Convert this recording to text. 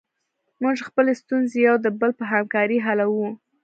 موږ خپلې ستونزې یو د بل په همکاري حلوو.